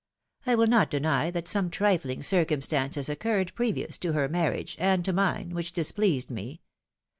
I will not deny that some trifling circumstances occurred previous to her marriage, and to mine, which displeased me.